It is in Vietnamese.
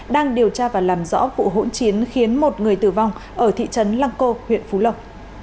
đang điều tra và làm rõ vụ hỗn chiến khiến một người tử vong ở thị trấn lăng cô huyện phú lộc